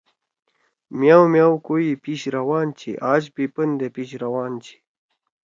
میاؤ میاؤ کویی پِیش روان چھی۔ آج بھی پندے پِیش روان چھی۔